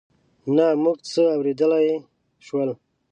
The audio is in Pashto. نه موږ څه اورېدای شول.